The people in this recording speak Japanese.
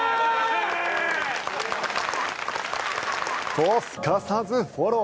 と、すかさずフォロー。